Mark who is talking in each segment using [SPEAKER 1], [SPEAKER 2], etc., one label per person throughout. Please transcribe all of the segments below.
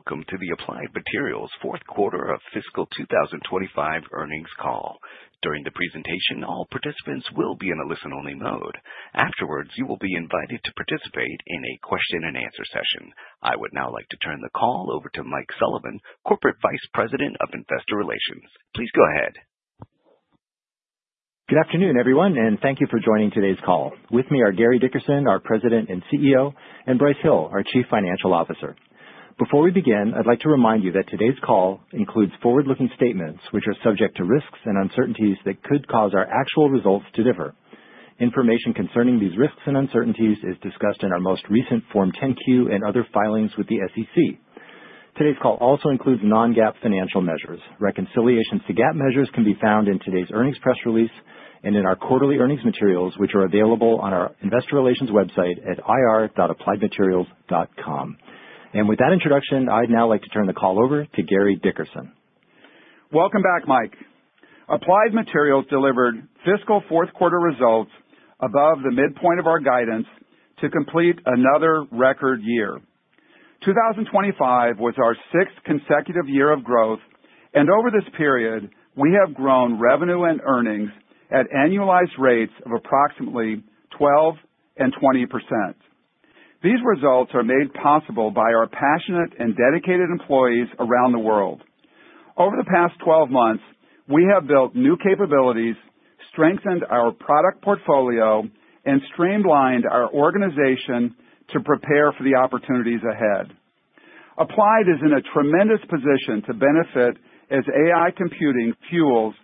[SPEAKER 1] Welcome to the Applied Materials fourth quarter of fiscal 2025 earnings call. During the presentation, all participants will be in a listen-only mode. Afterwards, you will be invited to participate in a question-and-answer session. I would now like to turn the call over to Mike Sullivan, Corporate Vice President of Investor Relations. Please go ahead.
[SPEAKER 2] Good afternoon, everyone, and thank you for joining today's call. With me are Gary Dickerson, our President and CEO, and Brice Hill, our Chief Financial Officer. Before we begin, I'd like to remind you that today's call includes forward-looking statements which are subject to risks and uncertainties that could cause our actual results to differ. Information concerning these risks and uncertainties is discussed in our most recent Form 10-Q and other filings with the SEC. Today's call also includes non-GAAP financial measures. Reconciliations to GAAP measures can be found in today's earnings press release and in our quarterly earnings materials, which are available on our Investor Relations website at ir.appliedmaterials.com. With that introduction, I'd now like to turn the call over to Gary Dickerson.
[SPEAKER 3] Welcome back, Mike. Applied Materials delivered fiscal fourth quarter results above the midpoint of our guidance to complete another record year. 2025 was our sixth consecutive year of growth, and over this period, we have grown revenue and earnings at annualized rates of approximately 12% and 20%. These results are made possible by our passionate and dedicated employees around the world. Over the past 12 months, we have built new capabilities, strengthened our product portfolio, and streamlined our organization to prepare for the opportunities ahead. Applied is in a tremendous position to benefit as AI computing fuels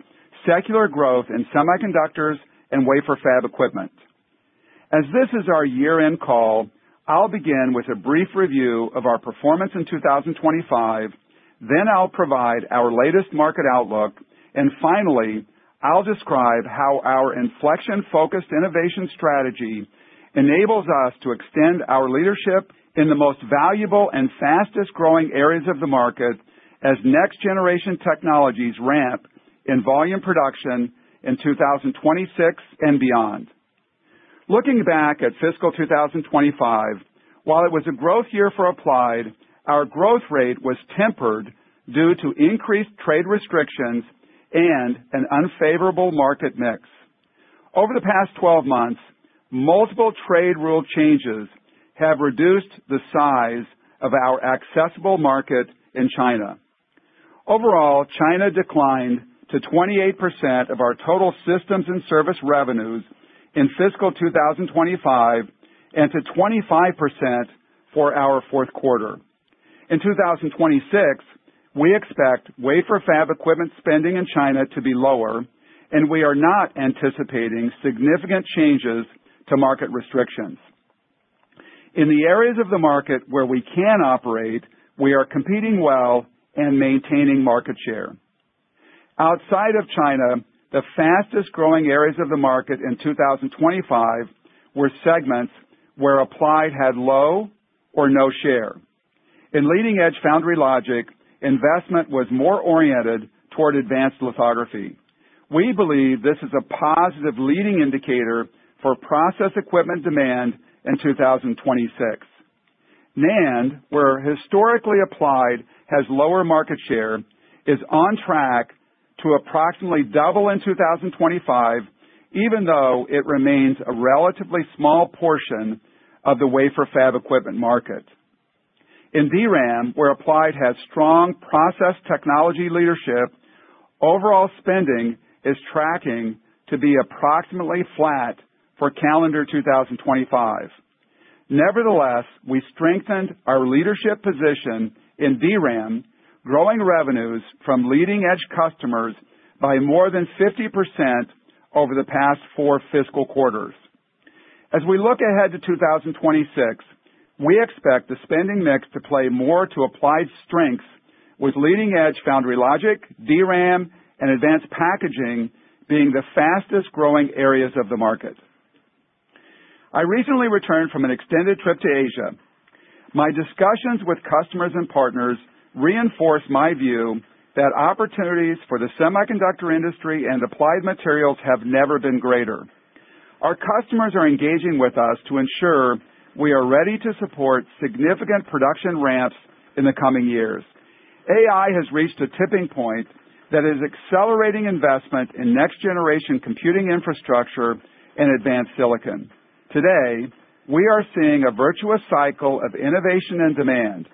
[SPEAKER 3] secular growth in semiconductors and wafer fab equipment. As this is our year-end call, I'll begin with a brief review of our performance in 2025, then I'll provide our latest market outlook, and finally, I'll describe how our inflection-focused innovation strategy enables us to extend our leadership in the most valuable and fastest-growing areas of the market as next-generation technologies ramp in volume production in 2026 and beyond. Looking back at fiscal 2025, while it was a growth year for Applied, our growth rate was tempered due to increased trade restrictions and an unfavorable market mix. Over the past 12 months, multiple trade rule changes have reduced the size of our accessible market in China. Overall, China declined to 28% of our total systems and service revenues in fiscal 2025 and to 25% for our fourth quarter. In 2026, we expect wafer fab equipment spending in China to be lower, and we are not anticipating significant changes to market restrictions. In the areas of the market where we can operate, we are competing well and maintaining market share. Outside of China, the fastest-growing areas of the market in 2025 were segments where Applied had low or no share. In leading-edge foundry logic, investment was more oriented toward advanced lithography. We believe this is a positive leading indicator for process equipment demand in 2026. NAND, where historically Applied has lower market share, is on track to approximately double in 2025, even though it remains a relatively small portion of the wafer fab equipment market. In DRAM, where Applied has strong process technology leadership, overall spending is tracking to be approximately flat for calendar 2025. Nevertheless, we strengthened our leadership position in DRAM, growing revenues from leading-edge customers by more than 50% over the past four fiscal quarters. As we look ahead to 2026, we expect the spending mix to play more to Applied's strengths, with leading-edge foundry logic, DRAM, and advanced packaging being the fastest-growing areas of the market. I recently returned from an extended trip to Asia. My discussions with customers and partners reinforce my view that opportunities for the semiconductor industry and Applied Materials have never been greater. Our customers are engaging with us to ensure we are ready to support significant production ramps in the coming years. AI has reached a tipping point that is accelerating investment in next-generation computing infrastructure and advanced silicon. Today, we are seeing a virtuous cycle of innovation and demand.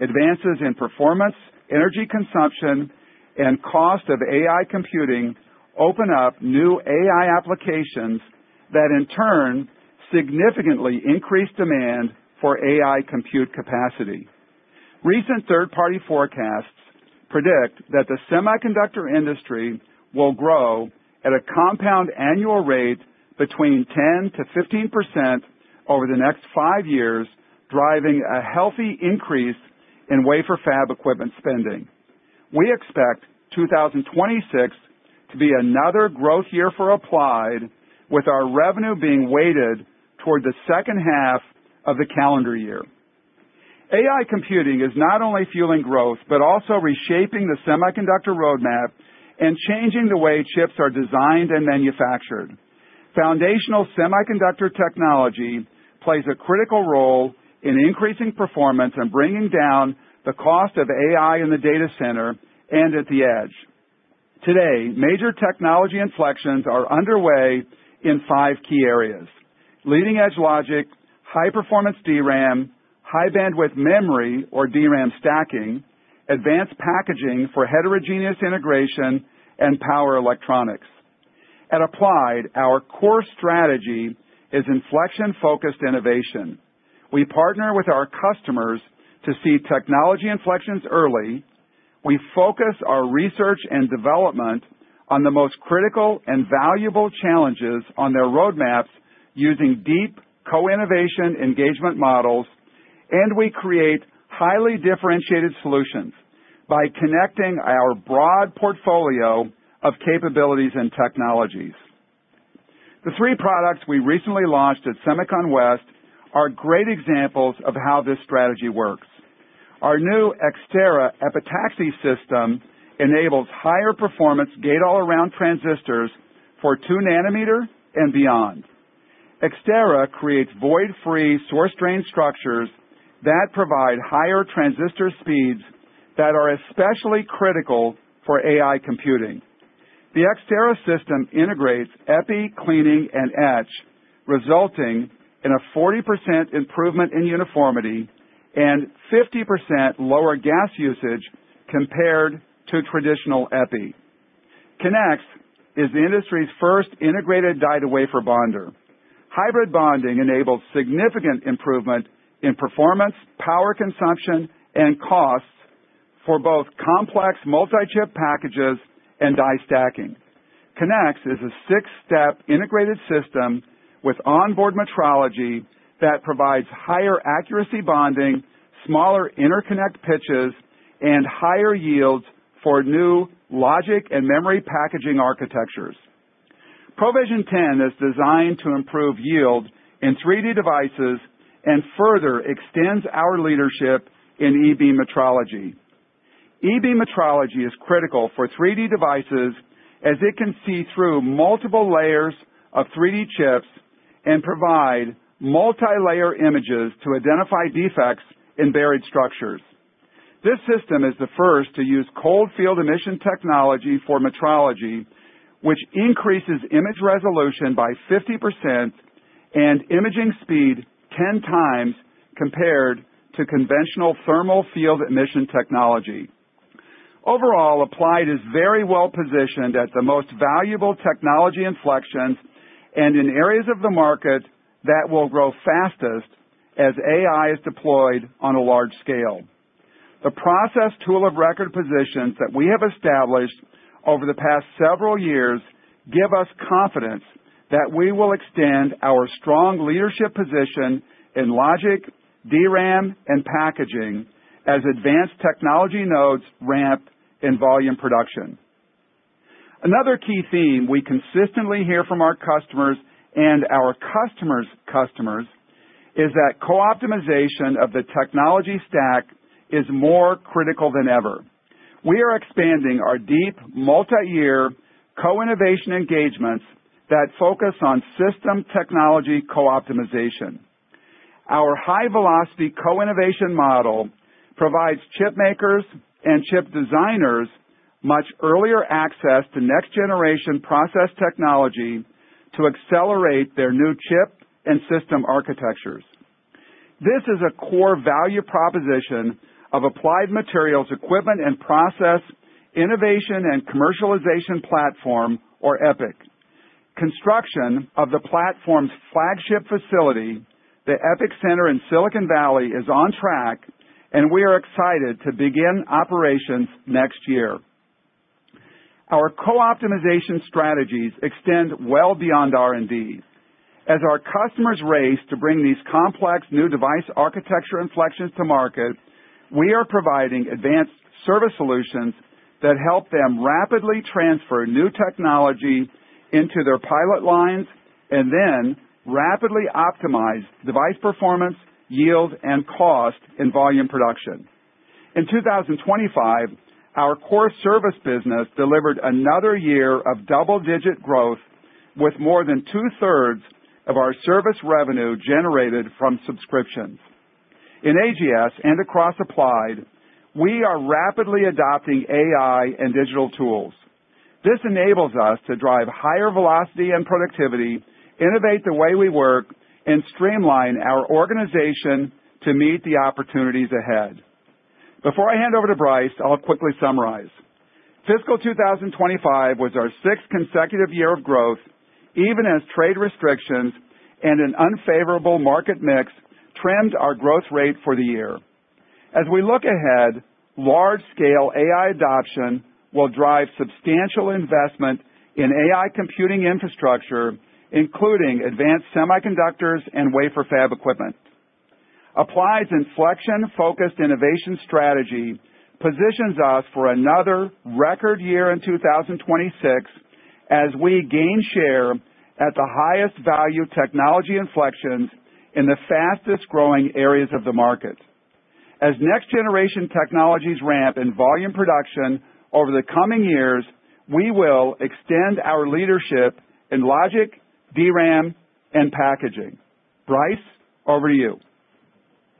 [SPEAKER 3] Advances in performance, energy consumption, and cost of AI computing open up new AI applications that, in turn, significantly increase demand for AI compute capacity. Recent third-party forecasts predict that the semiconductor industry will grow at a compound annual rate between 10%-15% over the next five years, driving a healthy increase in wafer fab equipment spending. We expect 2026 to be another growth year for Applied with our revenue being weighted toward the second half of the calendar year. AI computing is not only fueling growth but also reshaping the semiconductor roadmap and changing the way chips are designed and manufactured. Foundational semiconductor technology plays a critical role in increasing performance and bringing down the cost of AI in the data center and at the edge. Today, major technology inflections are underway in five key areas: leading-edge logic, high-performance DRAM, high-bandwidth memory or DRAM stacking, advanced packaging for heterogeneous integration, and power electronics. At Applied, our core strategy is inflection-focused innovation. We partner with our customers to see technology inflections early. We focus our research and development on the most critical and valuable challenges on their roadmaps using deep co-innovation engagement models, and we create highly differentiated solutions by connecting our broad portfolio of capabilities and technologies. The three products we recently launched at SEMICON West are great examples of how this strategy works. Our new Xtera epitaxy system enables higher-performance gate-all-around transistors for two nanometers and beyond. Xtera creates void-free source drain structures that provide higher transistor speeds that are especially critical for AI computing. The Xtera system integrates Epi cleaning, and etch, resulting in a 40% improvement in uniformity and 50% lower gas usage compared to traditional Epi. Kinex is the industry's first integrated die-to-wafer bonder. Hybrid bonding enables significant improvement in performance, power consumption, and costs for both complex multi-chip packages and die stacking. Kinex is a six-step integrated system with onboard metrology that provides higher accuracy bonding, smaller interconnect pitches, and higher yields for new logic and memory packaging architectures. PROVision 10 is designed to improve yield in 3D devices and further extends our leadership in eBeam metrology. eBeam metrology is critical for 3D devices as it can see through multiple layers of 3D chips and provide multi-layer images to identify defects in buried structures. This system is the first to use cold field emission technology for metrology, which increases image resolution by 50% and imaging speed 10x compared to conventional thermal field emission technology. Overall, Applied is very well positioned at the most valuable technology inflections and in areas of the market that will grow fastest as AI is deployed on a large scale. The process tool-of-record positions that we have established over the past several years give us confidence that we will extend our strong leadership position in logic, DRAM, and packaging as advanced technology nodes ramp in volume production. Another key theme we consistently hear from our customers and our customers' customers is that co-optimization of the technology stack is more critical than ever. We are expanding our deep multi-year co-innovation engagements that focus on system technology co-optimization. Our high-velocity co-innovation model provides chipmakers and chip designers much earlier access to next-generation process technology to accelerate their new chip and system architectures. This is a core value proposition of Applied Materials' equipment and process innovation and commercialization platform, or EPIC. Construction of the platform's flagship facility, the EPIC Center in Silicon Valley, is on track, and we are excited to begin operations next year. Our co-optimization strategies extend well beyond R&D. As our customers race to bring these complex new device architecture inflections to market, we are providing advanced service solutions that help them rapidly transfer new technology into their pilot lines and then rapidly optimize device performance, yield, and cost in volume production. In 2025, our core service business delivered another year of double-digit growth, with more than two-thirds of our service revenue generated from subscriptions. In AGS and across Applied, we are rapidly adopting AI and digital tools. This enables us to drive higher velocity and productivity, innovate the way we work, and streamline our organization to meet the opportunities ahead. Before I hand over to Brice, I'll quickly summarize. Fiscal 2025 was our sixth consecutive year of growth, even as trade restrictions and an unfavorable market mix trimmed our growth rate for the year. As we look ahead, large-scale AI adoption will drive substantial investment in AI computing infrastructure, including advanced semiconductors and wafer fab equipment. Applied's inflection-focused innovation strategy positions us for another record year in 2026 as we gain share at the highest-value technology inflections in the fastest-growing areas of the market. As next-generation technologies ramp in volume production over the coming years, we will extend our leadership in logic, DRAM, and packaging. Brice, over to you.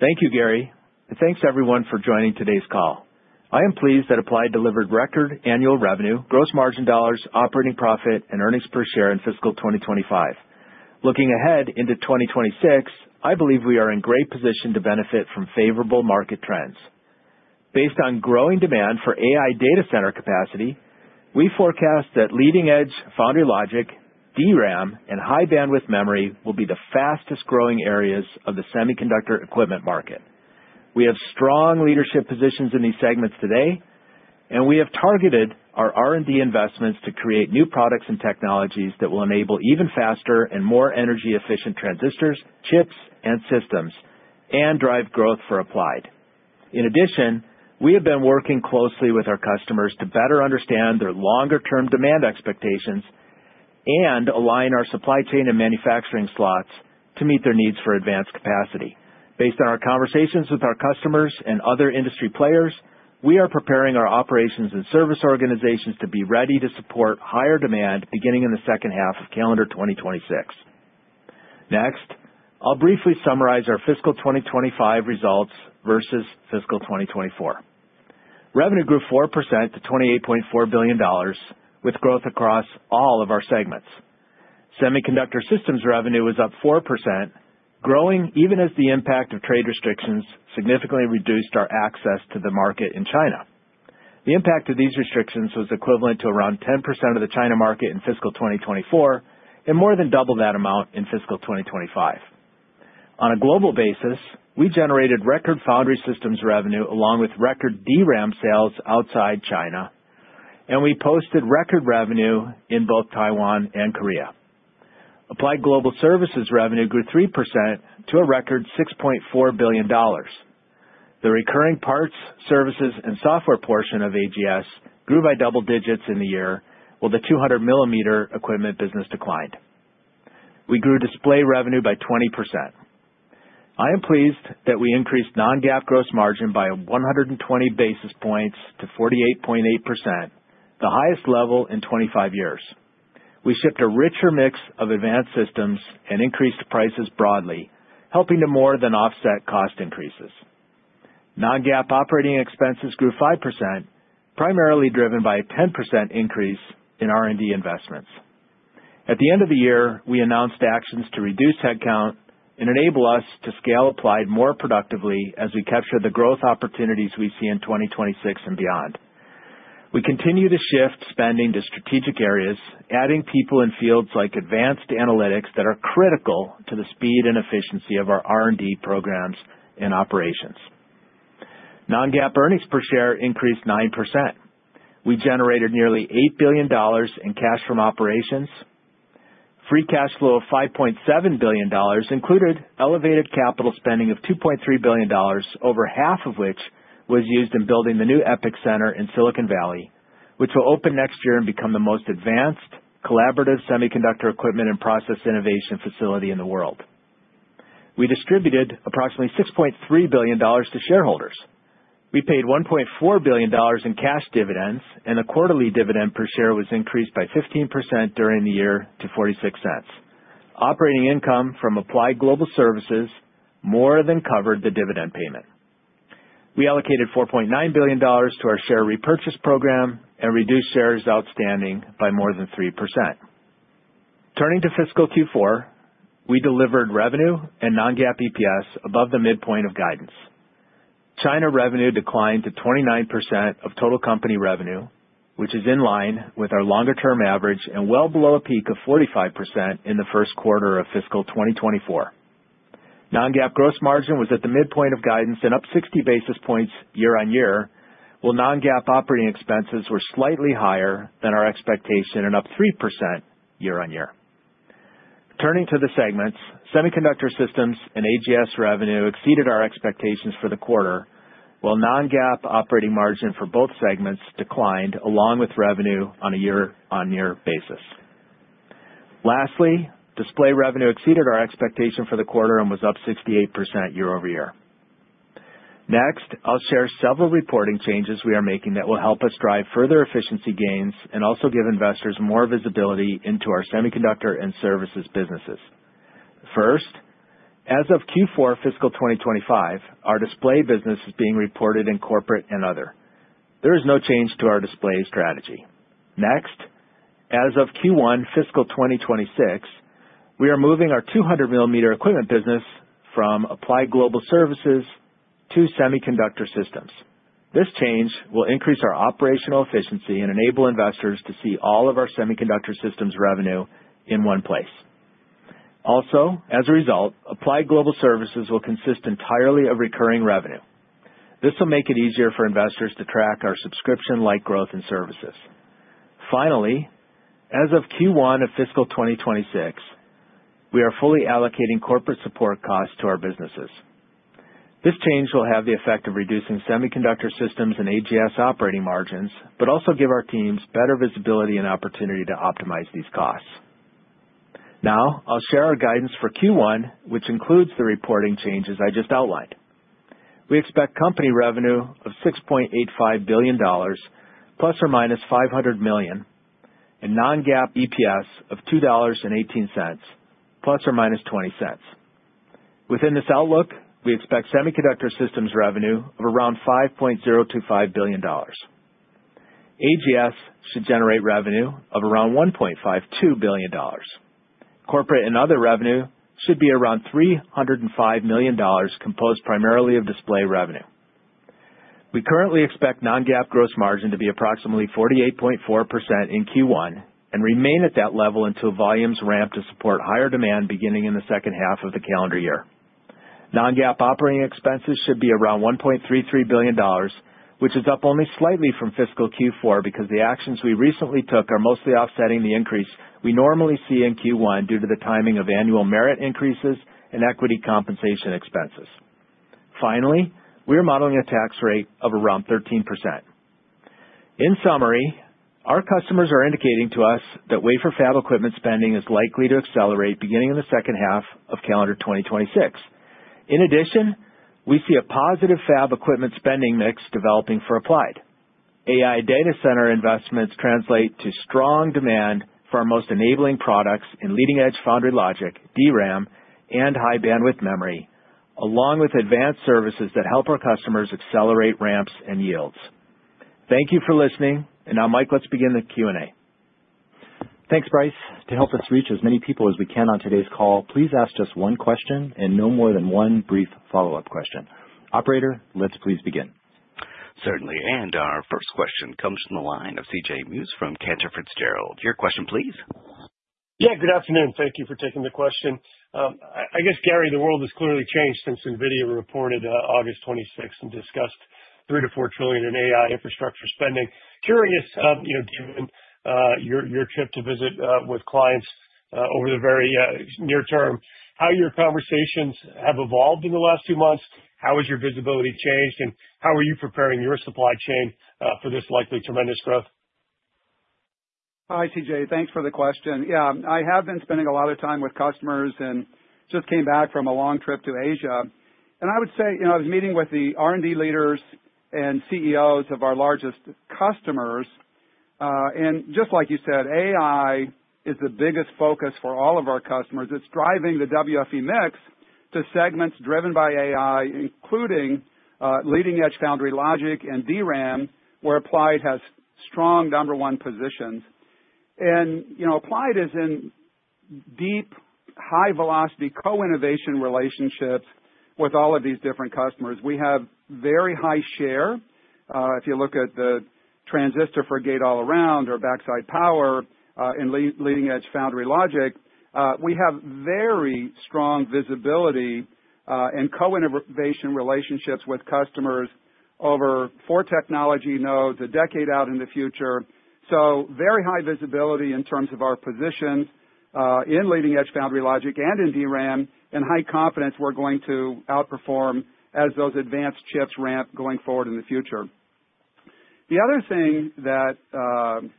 [SPEAKER 4] Thank you, Gary, and thanks everyone for joining today's call. I am pleased that Applied delivered record annual revenue, gross margin dollars, operating profit, and earnings per share in fiscal 2025. Looking ahead into 2026, I believe we are in great position to benefit from favorable market trends. Based on growing demand for AI data center capacity, we forecast that leading-edge foundry logic, DRAM, and high-bandwidth memory will be the fastest-growing areas of the semiconductor equipment market. We have strong leadership positions in these segments today, and we have targeted our R&D investments to create new products and technologies that will enable even faster and more energy-efficient transistors, chips, and systems and drive growth for Applied. In addition, we have been working closely with our customers to better understand their longer-term demand expectations and align our supply chain and manufacturing slots to meet their needs for advanced capacity. Based on our conversations with our customers and other industry players, we are preparing our operations and service organizations to be ready to support higher demand beginning in the second half of calendar 2026. Next, I'll briefly summarize our fiscal 2025 results versus fiscal 2024. Revenue grew 4% to $28.4 billion, with growth across all of our segments. Semiconductor systems revenue was up 4%, growing even as the impact of trade restrictions significantly reduced our access to the market in China. The impact of these restrictions was equivalent to around 10% of the China market in fiscal 2024 and more than double that amount in fiscal 2025. On a global basis, we generated record foundry systems revenue along with record DRAM sales outside China, and we posted record revenue in both Taiwan and Korea. Applied Global Services revenue grew 3% to a record $6.4 billion. The recurring parts, services, and software portion of AGS grew by double digits in the year, while the 200-millimeter equipment business declined. We grew display revenue by 20%. I am pleased that we increased non-GAAP gross margin by 120 basis points to 48.8%, the highest level in 25 years. We shipped a richer mix of advanced systems and increased prices broadly, helping to more than offset cost increases. Non-GAAP operating expenses grew 5%, primarily driven by a 10% increase in R&D investments. At the end of the year, we announced actions to reduce headcount and enable us to scale Applied more productively as we capture the growth opportunities we see in 2026 and beyond. We continue to shift spending to strategic areas, adding people in fields like advanced analytics that are critical to the speed and efficiency of our R&D programs and operations. Non-GAAP earnings per share increased 9%. We generated nearly $8 billion in cash from operations. Free Cash Flow of $5.7 billion included elevated capital spending of $2.3 billion, over half of which was used in building the new EPIC Center in Silicon Valley, which will open next year and become the most advanced collaborative semiconductor equipment and process innovation facility in the world. We distributed approximately $6.3 billion to shareholders. We paid $1.4 billion in cash dividends, and the quarterly dividend per share was increased by 15% during the year to $0.46. Operating income from Applied Global Services more than covered the dividend payment. We allocated $4.9 billion to our share repurchase program and reduced shares outstanding by more than 3%. Turning to fiscal Q4, we delivered revenue and non-GAAP EPS above the midpoint of guidance. China revenue declined to 29% of total company revenue, which is in line with our longer-term average and well below a peak of 45% in the first quarter of fiscal 2024. Non-GAAP gross margin was at the midpoint of guidance and up 60 basis points year-over-year, while non-GAAP operating expenses were slightly higher than our expectation and up 3% year-over-year. Turning to the segments, semiconductor systems and AGS revenue exceeded our expectations for the quarter, while non-GAAP operating margin for both segments declined along with revenue on a year-on-year basis. Lastly, display revenue exceeded our expectation for the quarter and was up 68% year-over-year. Next, I'll share several reporting changes we are making that will help us drive further efficiency gains and also give investors more visibility into our semiconductor and services businesses. First, as of Q4 fiscal 2025, our display business is being reported in corporate and other. There is no change to our display strategy. Next, as of Q1 fiscal 2026, we are moving our 200-millimeter equipment business from Applied Global Services to semiconductor systems. This change will increase our operational efficiency and enable investors to see all of our semiconductor systems revenue in one place. Also, as a result, Applied Global Services will consist entirely of recurring revenue. This will make it easier for investors to track our subscription-like growth in services. Finally, as of Q1 of fiscal 2026, we are fully allocating corporate support costs to our businesses. This change will have the effect of reducing semiconductor systems and AGS operating margins, but also give our teams better visibility and opportunity to optimize these costs. Now, I'll share our guidance for Q1, which includes the reporting changes I just outlined. We expect company revenue of $6.85 billion+ or -$500 million, and non-GAAP EPS of $2.18+ or -$0.20. Within this outlook, we expect semiconductor systems revenue of around $5.025 billion. AGS should generate revenue of around $1.52 billion. Corporate and other revenue should be around $305 million, composed primarily of display revenue. We currently expect non-GAAP gross margin to be approximately 48.4% in Q1 and remain at that level until volumes ramp to support higher demand beginning in the second half of the calendar year. Non-GAAP operating expenses should be around $1.33 billion, which is up only slightly from fiscal Q4 because the actions we recently took are mostly offsetting the increase we normally see in Q1 due to the timing of annual merit increases and equity compensation expenses. Finally, we are modeling a tax rate of around 13%. In summary, our customers are indicating to us that wafer fab equipment spending is likely to accelerate beginning in the second half of calendar 2026. In addition, we see a positive fab equipment spending mix developing for Applied. AI data center investments translate to strong demand for our most enabling products in leading-edge foundry logic, DRAM, and high-bandwidth memory, along with advanced services that help our customers accelerate ramps and yields. Thank you for listening, and now, Mike, let's begin the Q&A.
[SPEAKER 2] Thanks, Brice. To help us reach as many people as we can on today's call, please ask just one question and no more than one brief follow-up question. Operator, let's please begin.
[SPEAKER 1] Certainly, and our first question comes from the line of CJ Muse Cantor Fitzgerald. Your question, please. Yeah, good afternoon.
[SPEAKER 5] Thank you for taking the question. I guess, Gary, the world has clearly changed since NVIDIA reported August 26th and discussed $3 trillion-$4 trillion in AI infrastructure spending. Curious, given your trip to visit with clients over the very near term, how your conversations have evolved in the last few months? How has your visibility changed, and how are you preparing your supply chain for this likely tremendous growth?
[SPEAKER 3] Hi, CJ. Thanks for the question. Yeah, I have been spending a lot of time with customers and just came back from a long trip to Asia. I would say I was meeting with the R&D leaders and CEOs of our largest customers. Just like you said, AI is the biggest focus for all of our customers. It's driving the WFE mix to segments driven by AI, including leading-edge foundry logic and DRAM, where Applied has strong number one positions. Applied is in deep, high-velocity co-innovation relationships with all of these different customers. We have very high share. If you look at the transistor for Gate-All-Around or Backside Power and leading-edge foundry logic, we have very strong visibility and co-innovation relationships with customers over four technology nodes, a decade out in the future. Very high visibility in terms of our positions in leading-edge foundry logic and in DRAM, and high confidence we're going to outperform as those advanced chips ramp going forward in the future. The other thing that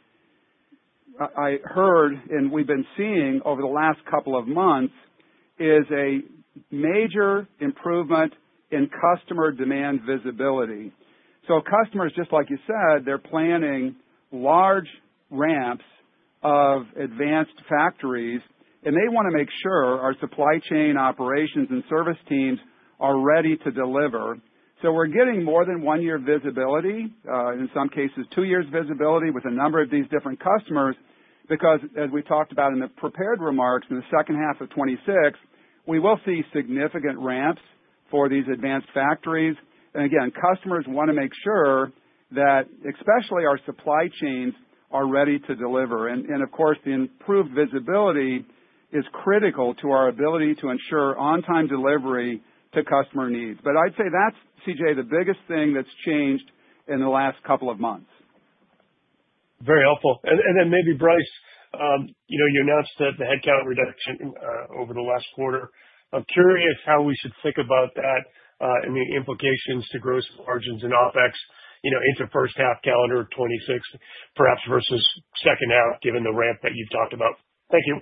[SPEAKER 3] I heard and we've been seeing over the last couple of months is a major improvement in customer demand visibility. Customers, just like you said, they're planning large ramps of advanced factories, and they want to make sure our supply chain operations and service teams are ready to deliver. We're getting more than one year visibility, in some cases two years visibility with a number of these different customers because, as we talked about in the prepared remarks in the second half of 2026, we will see significant ramps for these advanced factories. Again, customers want to make sure that especially our supply chains are ready to deliver. Of course, the improved visibility is critical to our ability to ensure on-time delivery to customer needs. I'd say that's, CJ, the biggest thing that's changed in the last couple of months.
[SPEAKER 5] Very helpful. Maybe, Brice, you announced the headcount reduction over the last quarter. I'm curious how we should think about that and the implications to gross margins and OpEx into first half calendar of 2026, perhaps versus second half given the ramp that you've talked about. Thank you.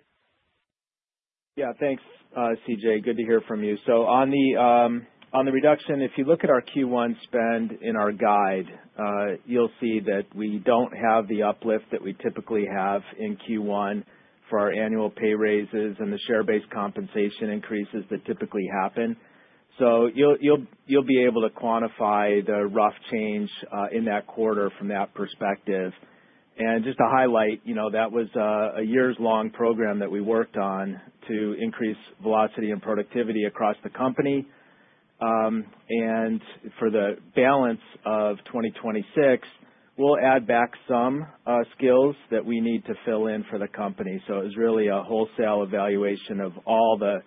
[SPEAKER 4] Yeah, thanks, CJ. Good to hear from you. On the reduction, if you look at our Q1 spend in our guide, you'll see that we do not have the uplift that we typically have in Q1 for our annual pay raises and the share-based compensation increases that typically happen. You'll be able to quantify the rough change in that quarter from that perspective. Just to highlight, that was a years-long program that we worked on to increase velocity and productivity across the company. For the balance of 2026, we'll add back some skills that we need to fill in for the company. It was really a wholesale evaluation of all the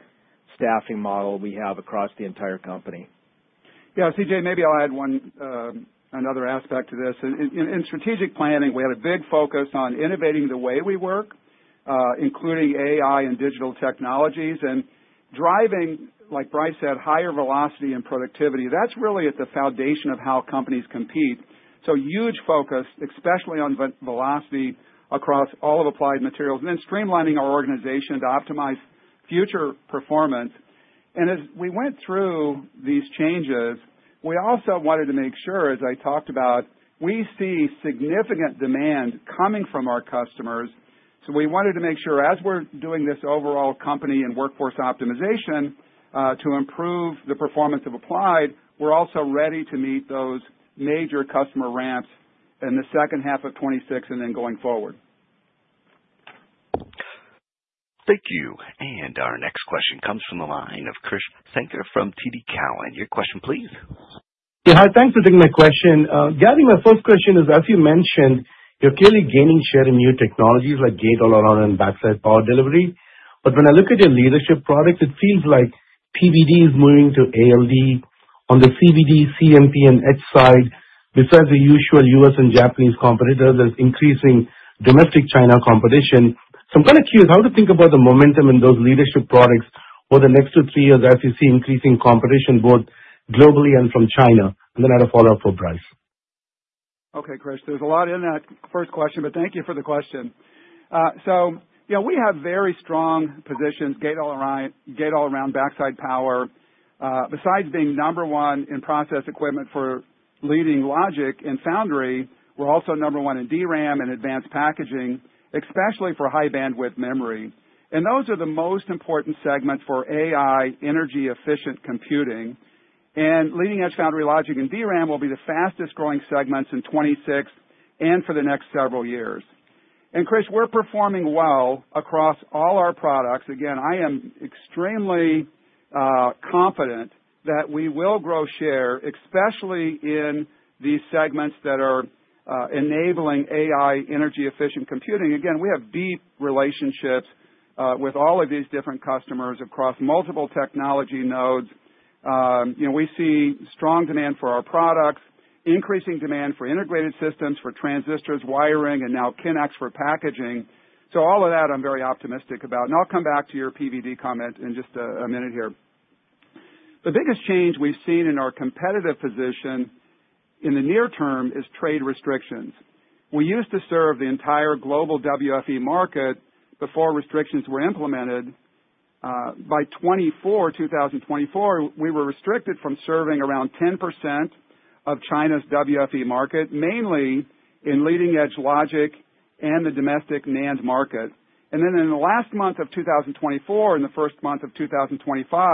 [SPEAKER 4] staffing model we have across the entire company.
[SPEAKER 3] Yeah, CJ, maybe I'll add another aspect to this. In strategic planning, we had a big focus on innovating the way we work, including AI and digital technologies, and driving, like Brice said, higher velocity and productivity. That is really at the foundation of how companies compete. Huge focus, especially on velocity across all of Applied Materials, and then streamlining our organization to optimize future performance. As we went through these changes, we also wanted to make sure, as I talked about, we see significant demand coming from our customers. We wanted to make sure as we are doing this overall company and workforce optimization to improve the performance of Applied, we are also ready to meet those major customer ramps in the second half of 2026 and then going forward.
[SPEAKER 1] Thank you. Our next question comes from the line of Krish Sankar from TD Cowen. Your question, please.
[SPEAKER 6] Yeah, thanks for taking my question. Gary, my first question is, as you mentioned, you're clearly gaining share in new technologies like Gate All-Around and Backside Power Delivery. When I look at your leadership products, it seems like PVD is moving to ALD on the CVD, CMP, and etch side. Besides the usual U.S. and Japanese competitors, there's increasing domestic China competition. I'm kind of curious how to think about the momentum in those leadership products for the next two to three years as you see increasing competition both globally and from China. I have a follow-up for Brice.
[SPEAKER 3] Okay, Krish, there's a lot in that first question, but thank you for the question. We have very strong positions, Gate All-Around, Backside Power. Besides being number one in process equipment for leading logic and foundry, we're also number one in DRAM and advanced packaging, especially for high-bandwidth memory. Those are the most important segments for AI energy-efficient computing. Leading-edge foundry logic and DRAM will be the fastest-growing segments in 2026 and for the next several years. Krish, we're performing well across all our products. Again, I am extremely confident that we will grow share, especially in these segments that are enabling AI energy-efficient computing. We have deep relationships with all of these different customers across multiple technology nodes. We see strong demand for our products, increasing demand for integrated systems, for transistors, wiring, and now Kinex for packaging. All of that, I'm very optimistic about. I'll come back to your PVD comment in just a minute here. The biggest change we've seen in our competitive position in the near term is trade restrictions. We used to serve the entire global WFE market before restrictions were implemented. By 2024, we were restricted from serving around 10% of China's WFE market, mainly in leading-edge logic and the domestic NAND market. In the last month of 2024 and the first month of 2025,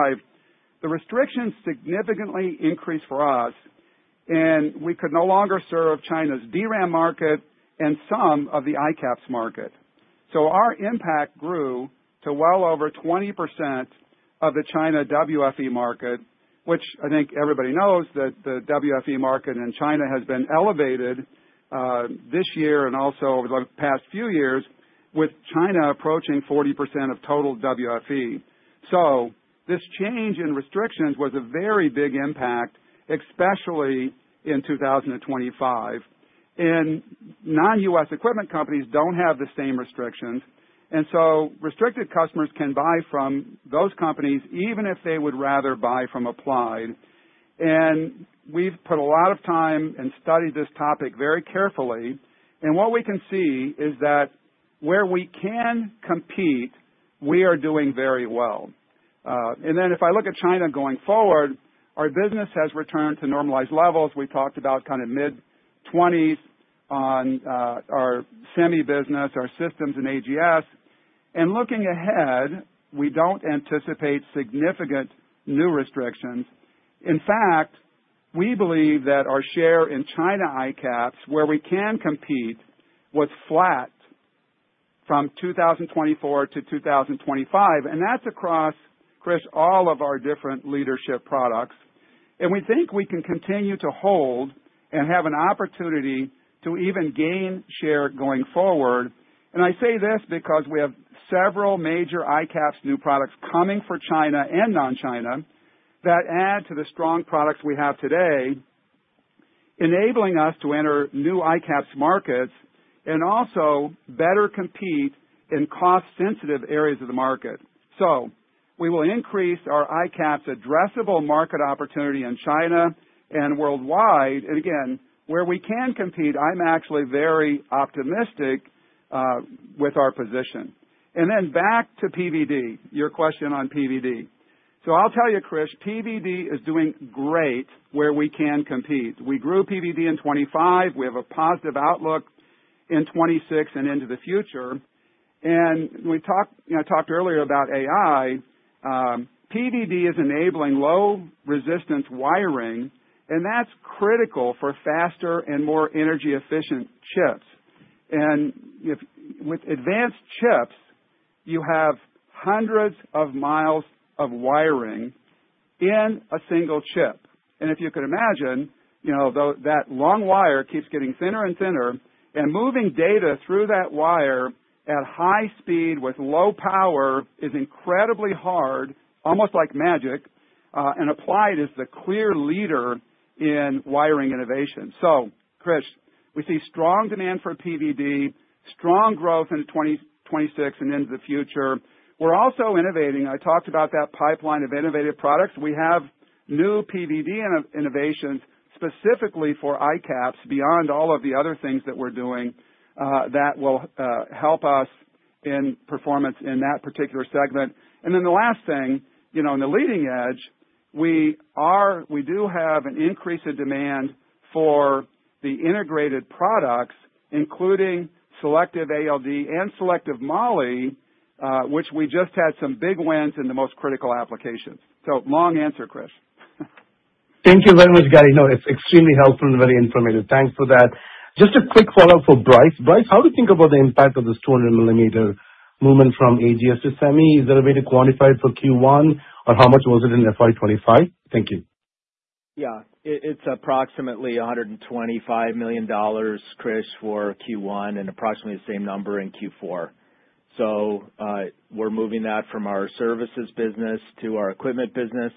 [SPEAKER 3] the restrictions significantly increased for us, and we could no longer serve China's DRAM market and some of the ICAPS market. Our impact grew to well over 20% of the China WFE market, which I think everybody knows that the WFE market in China has been elevated this year and also over the past few years with China approaching 40% of total WFE. This change in restrictions was a very big impact, especially in 2025. Non-U.S. equipment companies do not have the same restrictions. Restricted customers can buy from those companies even if they would rather buy from Applied. We have put a lot of time and studied this topic very carefully. What we can see is that where we can compete, we are doing very well. If I look at China going forward, our business has returned to normalized levels. We talked about kind of mid-20s on our semi business, our systems, and AGS. Looking ahead, we do not anticipate significant new restrictions. In fact, we believe that our share in China ICAPS, where we can compete, was flat from 2024-2025. That is across, Krish, all of our different leadership products. We think we can continue to hold and have an opportunity to even gain share going forward. I say this because we have several major ICAPS new products coming for China and non-China that add to the strong products we have today, enabling us to enter new ICAPS markets and also better compete in cost-sensitive areas of the market. We will increase our ICAPS addressable market opportunity in China and worldwide. Again, where we can compete, I'm actually very optimistic with our position. Back to PVD, your question on PVD. I'll tell you, Krish, PVD is doing great where we can compete. We grew PVD in 2025. We have a positive outlook in 2026 and into the future. I talked earlier about AI. PVD is enabling low-resistance wiring, and that's critical for faster and more energy-efficient chips. With advanced chips, you have hundreds of miles of wiring in a single chip. If you could imagine, that long wire keeps getting thinner and thinner, and moving data through that wire at high speed with low power is incredibly hard, almost like magic. Applied is the clear leader in wiring innovation. Krish, we see strong demand for PVD, strong growth into 2026 and into the future. We are also innovating. I talked about that pipeline of innovative products. We have new PVD innovations specifically for ICAPS beyond all of the other things that we are doing that will help us in performance in that particular segment. The last thing, in the leading edge, we do have an increase in demand for the integrated products, including selective ALD and selective Moly, which we just had some big wins in the most critical applications. Long answer, Krish.
[SPEAKER 6] Thank you very much, Gary. No, it is extremely helpful and very informative. Thanks for that. Just a quick follow-up for Brice. Brice, how do you think about the impact of this 200-millimeter movement from AGS to Semi? Is there a way to quantify it for Q1, or how much was it in fiscal year 2025? Thank you.
[SPEAKER 4] Yeah, it's approximately $125 million, Krish, for Q1 and approximately the same number in Q4. We're moving that from our services business to our equipment business.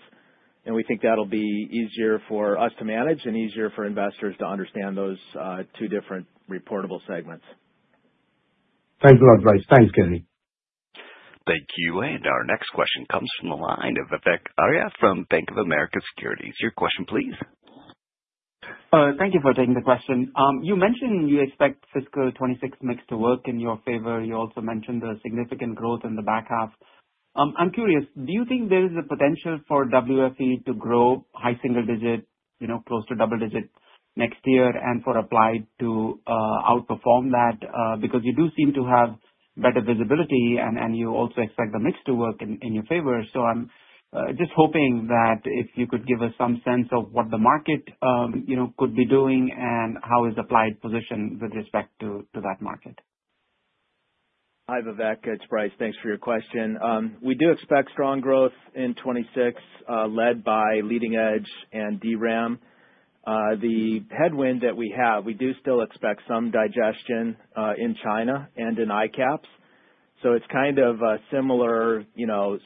[SPEAKER 4] We think that'll be easier for us to manage and easier for investors to understand those two different reportable segments.
[SPEAKER 6] Thanks a lot, Brice. Thanks, Gary.
[SPEAKER 1] Thank you. Our next question comes from the line of Vivek Arya from Bank of America Securities. Your question, please.
[SPEAKER 7] Thank you for taking the question. You mentioned you expect fiscal 2026 mix to work in your favor. You also mentioned the significant growth in the back half. I'm curious, do you think there is a potential for WFE to grow high single-digit, close to double-digit next year and for Applied to outperform that? Because you do seem to have better visibility, and you also expect the mix to work in your favor. I'm just hoping that if you could give us some sense of what the market could be doing and how is Applied positioned with respect to that market.
[SPEAKER 4] Hi, Vivek. It's Brice. Thanks for your question. We do expect strong growth in 2026 led by leading edge and DRAM. The headwind that we have, we do still expect some digestion in China and in ICAPS. It is kind of a similar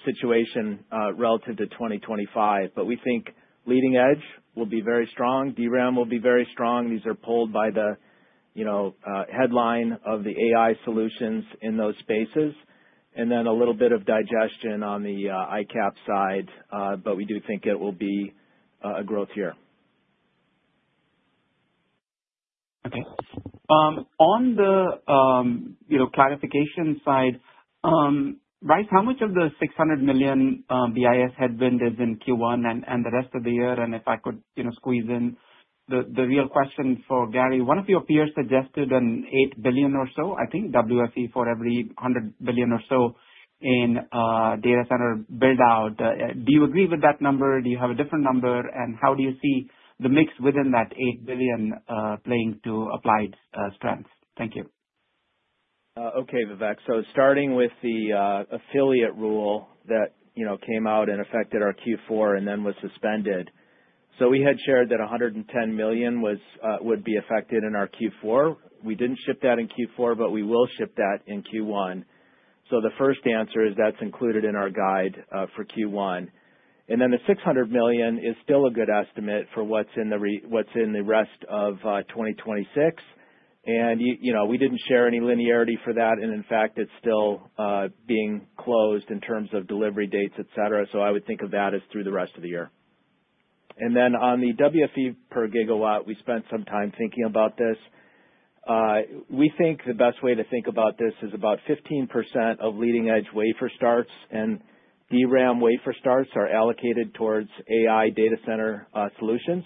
[SPEAKER 4] situation relative to 2025. We think leading edge will be very strong. DRAM will be very strong. These are pulled by the headline of the AI solutions in those spaces. And then a little bit of digestion on the ICAPS side, but we do think it will be a growth year.
[SPEAKER 7] Okay. On the clarification side, Brice, how much of the $600 million BIS headwind is in Q1 and the rest of the year? And if I could squeeze in the real question for Gary, one of your peers suggested an $8 billion or so, I think WFE for every $100 billion or so in data center build-out. Do you agree with that number? Do you have a different number? And how do you see the mix within that $8 billion playing to Applied's strength?
[SPEAKER 4] Thank you. Okay, Vivek. Starting with the affiliate rule that came out and affected our Q4 and then was suspended. We had shared that $110 million would be affected in our Q4. We did not ship that in Q4, but we will ship that in Q1. The first answer is that is included in our guide for Q1. The $600 million is still a good estimate for what is in the rest of 2026. We did not share any linearity for that. In fact, it is still being closed in terms of delivery dates, etc. I would think of that as through the rest of the year. On the WFE per gigawatt, we spent some time thinking about this. We think the best way to think about this is about 15% of leading-edge wafer starts and DRAM wafer starts are allocated towards AI data center solutions.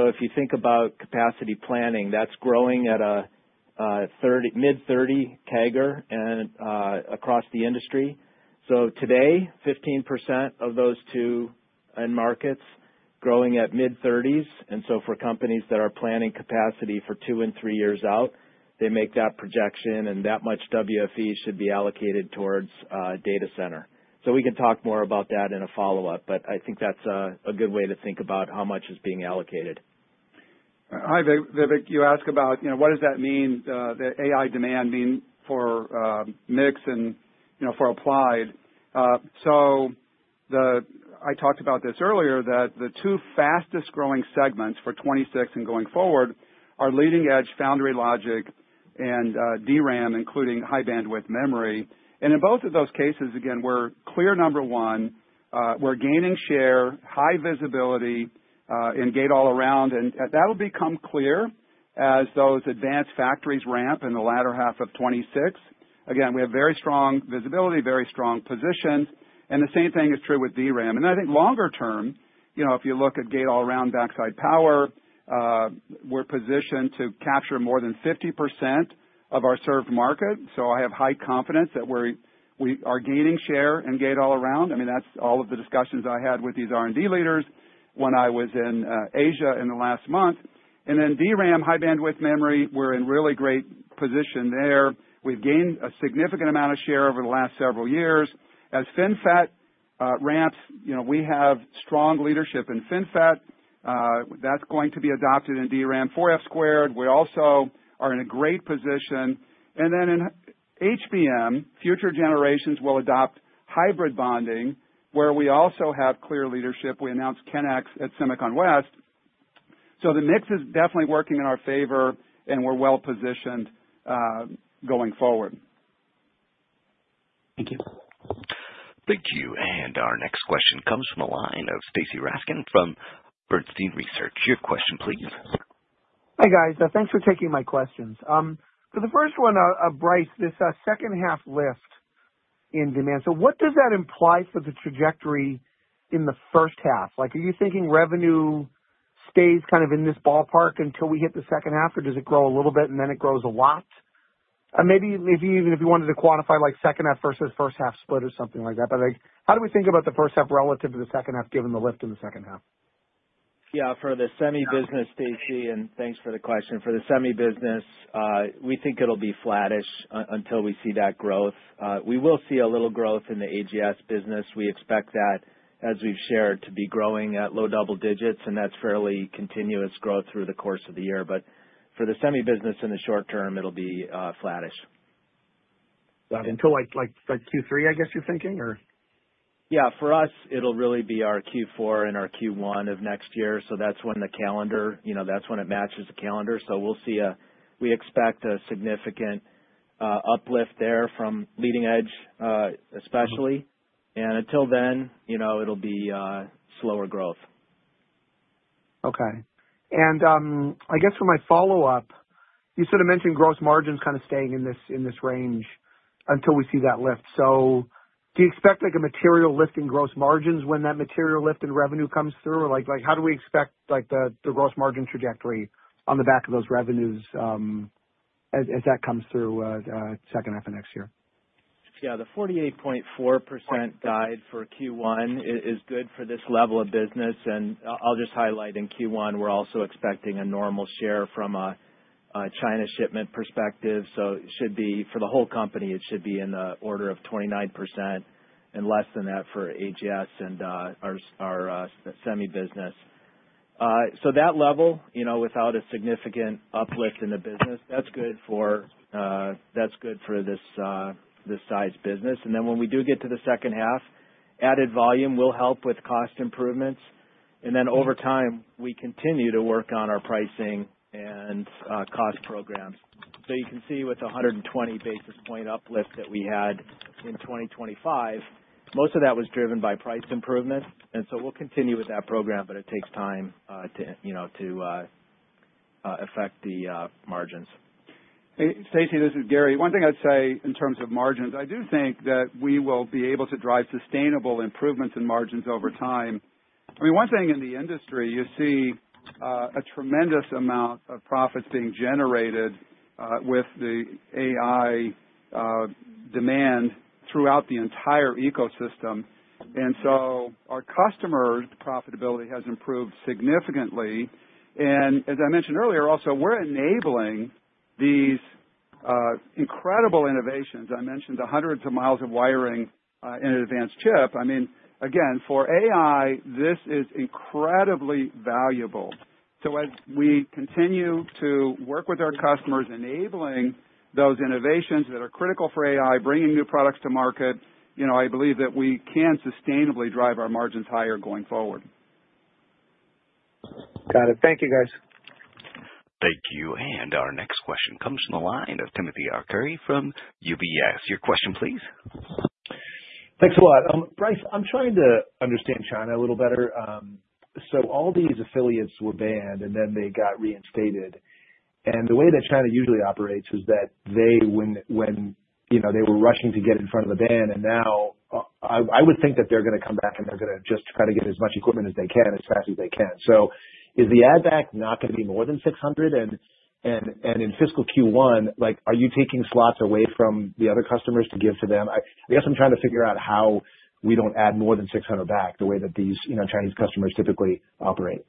[SPEAKER 4] If you think about capacity planning, that is growing at a mid 30% CAGR across the industry. Today, 15% of those two end markets are growing at mid 30%. For companies that are planning capacity for two and three years out, they make that projection, and that much WFE should be allocated towards data center. We can talk more about that in a follow-up, but I think that is a good way to think about how much is being allocated.
[SPEAKER 3] Hi, Vivek. You asked about what does that mean, the AI demand mean for mix and for Applied. I talked about this earlier, that the two fastest-growing segments for 2026 and going forward are leading-edge foundry logic and DRAM, including high-bandwidth memory. In both of those cases, again, we are clear number one. We are gaining share, high visibility in Gate All-Around. That will become clear as those advanced factories ramp in the latter half of 2026. We have very strong visibility, very strong position. The same thing is true with DRAM. I think longer term, if you look at Gate-All-Around, Backside Power, we're positioned to capture more than 50% of our served market. I have high confidence that we are gaining share in Gate-All-Around. I mean, that's all of the discussions I had with these R&D leaders when I was in Asia in the last month. In DRAM, high-bandwidth memory, we're in really great position there. We've gained a significant amount of share over the last several years. As FinFET ramps, we have strong leadership in FinFET. That's going to be adopted in DRAM, 4F-squared. We also are in a great position. In HBM, future generations will adopt hybrid bonding where we also have clear leadership. We announced Kinex at SEMICON West. The mix is definitely working in our favor, and we're well positioned going forward.
[SPEAKER 7] Thank you.
[SPEAKER 1] Thank you. Our next question comes from the line of Stacy Rasgon from Bernstein Research. Your question, please.
[SPEAKER 8] Hi, guys. Thanks for taking my questions. For the first one, Brice, this second-half lift in demand. What does that imply for the trajectory in the first half? Are you thinking revenue stays kind of in this ballpark until we hit the second half, or does it grow a little bit and then it grows a lot? Maybe even if you wanted to quantify second-half versus first-half split or something like that. How do we think about the first half relative to the second half given the lift in the second half?
[SPEAKER 4] Yeah, for the semi business, Stacy, and thanks for the question. For the semi business, we think it'll be flattish until we see that growth. We will see a little growth in the AGS business. We expect that, as we've shared, to be growing at low double digits, and that's fairly continuous growth through the course of the year. For the semi business in the short term, it'll be flattish.
[SPEAKER 8] Until like Q3, I guess you're thinking, or?
[SPEAKER 4] Yeah, for us, it'll really be our Q4 and our Q1 of next year. That's when the calendar, that's when it matches the calendar. We'll see a, we expect a significant uplift there from leading edge, especially. Until then, it'll be slower growth.
[SPEAKER 8] Okay. I guess for my follow-up, you sort of mentioned gross margins kind of staying in this range until we see that lift. Do you expect a material lift in gross margins when that material lift in revenue comes through? How do we expect the gross margin trajectory on the back of those revenues as that comes through second half of next year?
[SPEAKER 4] Yeah, the 48.4% guide for Q1 is good for this level of business. I'll just highlight in Q1, we're also expecting a normal share from a China shipment perspective. It should be for the whole company, it should be in the order of 29% and less than that for AGS and our Semi business. That level, without a significant uplift in the business, that's good for this size business. When we do get to the second half, added volume will help with cost improvements. Over time, we continue to work on our pricing and cost programs. You can see with the 120 basis point uplift that we had in 2025, most of that was driven by price improvement. We will continue with that program, but it takes time to affect the margins.
[SPEAKER 3] Stacy, this is Gary. One thing I would say in terms of margins, I do think that we will be able to drive sustainable improvements in margins over time. I mean, one thing in the industry, you see a tremendous amount of profits being generated with the AI demand throughout the entire ecosystem. Our customer profitability has improved significantly. As I mentioned earlier, also, we are enabling these incredible innovations. I mentioned the hundreds of miles of wiring in an advanced chip. I mean, again, for AI, this is incredibly valuable. As we continue to work with our customers, enabling those innovations that are critical for AI, bringing new products to market, I believe that we can sustainably drive our margins higher going forward.
[SPEAKER 8] Got it. Thank you, guys.
[SPEAKER 1] Thank you. Our next question comes from the line of Timothy Arcuri from UBS. Your question, please.
[SPEAKER 9] Thanks a lot. Brice, I'm trying to understand China a little better. All these affiliates were banned, and then they got reinstated. The way that China usually operates is that when they were rushing to get in front of the ban, and now I would think that they're going to come back and they're going to just try to get as much equipment as they can, as fast as they can. Is the add-back not going to be more than 600 tools? In fiscal Q1, are you taking slots away from the other customers to give to them? I guess I'm trying to figure out how we do not add more than 600 tools back the way that these Chinese customers typically operate.